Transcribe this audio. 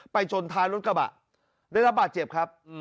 ชนท้ายรถกระบะได้รับบาดเจ็บครับ